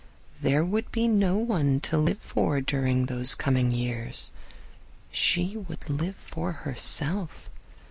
There would be no one to live for her during those coming years; she would live for herself.